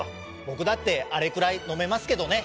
ぼくだってあれくらいのめますけどね。